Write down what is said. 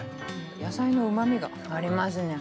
野菜のうまみがありますね。